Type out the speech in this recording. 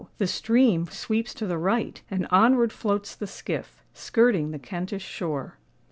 the stream sweeps to the right; and onward floats the skiff—skirting the Kentish shore.